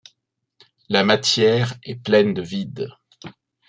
La matière est pleine de vide.